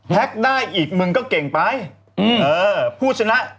แฮกได้อีกมึงก็เก่งไป